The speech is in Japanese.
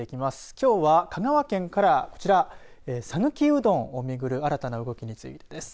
きょうは香川県からこちら讃岐うどんを巡る新たな動きについてです。